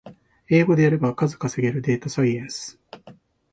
英語でやれば数稼げるデータサイエンス